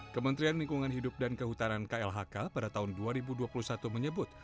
kementerian lingkungan hidup dan kehutanan klhk pada tahun dua ribu dua puluh satu menyebut